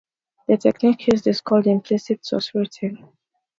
The technique used is called implicit source routing.